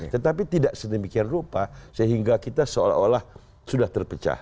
tetapi tidak sedemikian rupa sehingga kita seolah olah sudah terpecah